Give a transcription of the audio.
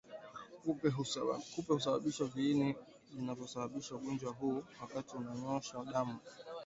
Kupe husambaza viini vinavyosababisha ugonjwa huu wakati wa kunyonya damu ya wanyama wasiokuwa wagonjwa